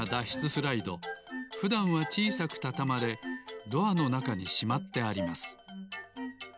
スライドふだんはちいさくたたまれドアのなかにしまってあります。